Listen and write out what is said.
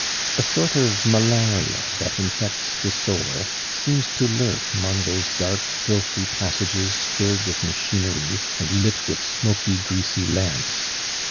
A sort of malaria that infects the soul seems to lurk among those dark, filthy passages filled with machinery, and lit with smoky, greasy lamps.